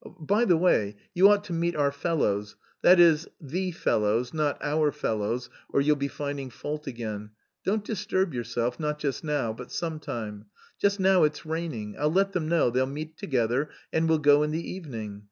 By the way, you ought to meet our fellows, that is, the fellows not our fellows, or you'll be finding fault again. Don't disturb yourself, not just now, but sometime. Just now it's raining. I'll let them know, they'll meet together, and we'll go in the evening.